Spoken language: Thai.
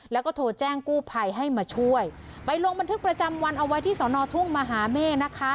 แล้วก็โทรแจ้งกู้ภัยให้มาช่วยไปลงบันทึกประจำวันเอาไว้ที่สอนอทุ่งมหาเมฆนะคะ